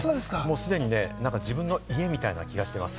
すでに自分の家みたいな気がしています。